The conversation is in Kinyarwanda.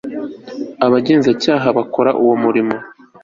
abagenzacyaha bakora uwo murimo